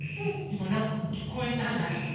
いまなんかきこえたんだけど。